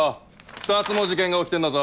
２つも事件が起きてんだぞ！